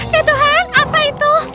ya tuhan apa itu